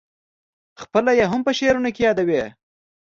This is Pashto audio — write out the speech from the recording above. خپله یې هم په شعرونو کې یادوې.